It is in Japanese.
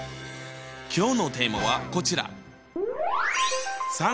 今日のテーマはこちら！